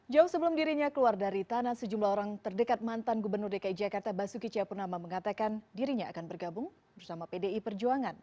jauh sebelum dirinya keluar dari tanah sejumlah orang terdekat mantan gubernur dki jakarta basuki cahapurnama mengatakan dirinya akan bergabung bersama pdi perjuangan